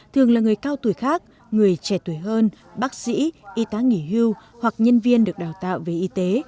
thường là người cao tuổi khác người trẻ tuổi hơn bác sĩ y tá nghỉ hưu hoặc nhân viên được đào tạo về y tế